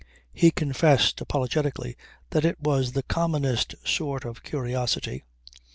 He confessed apologetically that it was the commonest sort of curiosity.